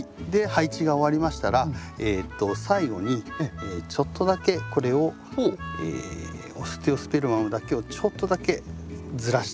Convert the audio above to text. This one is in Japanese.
配置が終わりましたら最後にちょっとだけこれをオステオスペルマムだけをちょっとだけずらしていきます。